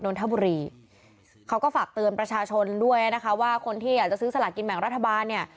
เงินประชาชนด้วยนะคะว่าคนที่อยากจะซื้อสลัดกินแบ่งรัฐบาลเนี่ย